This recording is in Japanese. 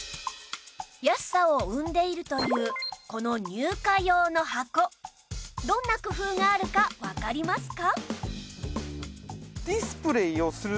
安さを生んでいるというこの入荷用の箱どんな工夫があるかわかりますか？